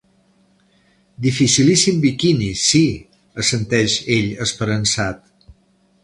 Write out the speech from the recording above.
Dificilíssim biquini, sí —assenteix ell esperançat.